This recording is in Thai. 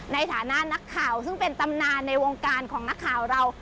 ในฐานะนักข่าวซึ่งเป็นตำนานในวงการของนักข่าวเรา